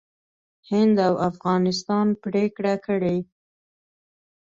هند او افغانستان پرېکړه کړې